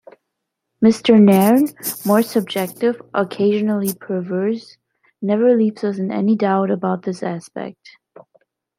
Mr Nairn, more subjective, occasionally perverse...never leaves us in any doubt about this aspect.